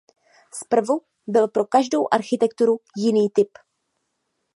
Zprvu byl pro každou architekturu jiný typ.